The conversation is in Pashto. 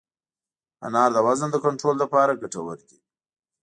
انار د وزن د کنټرول لپاره ګټور دی.